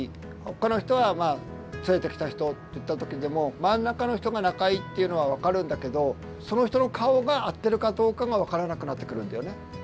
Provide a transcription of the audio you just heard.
この人は連れてきた人っていった時でも真ん中の人が仲いいっていうのは分かるんだけどその人の顔が合ってるかどうかが分からなくなってくるんだよね。